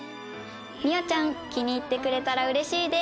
美桜ちゃん気に入ってくれたらうれしいです。